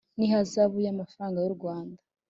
n ihazabu y amafaranga y u Rwanda